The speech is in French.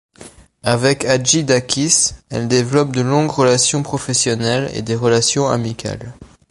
Avec Hadjidákis, elle développe de longues relations professionnelles et des relations amicales.